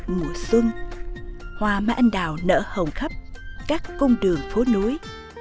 mùa xuân hoa mai anh đào nở hồng khắp các cung đường phố núi